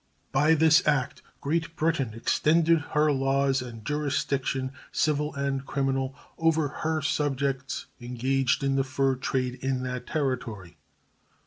By this act Great Britain extended her laws and jurisdiction, civil and criminal, over her subjects engaged in the fur trade in that Territory.